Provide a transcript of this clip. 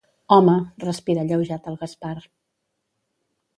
Home —respira alleujat el Gaspar—.